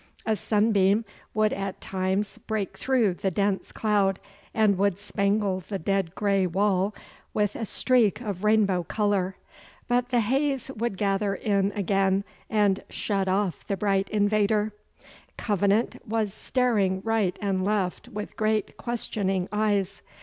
A sunbeam would at times break through the dense cloud, and would spangle the dead grey wall with a streak of rainbow colour, but the haze would gather in again and shut off the bright invader. Covenant was staring right and left with great questioning eyes.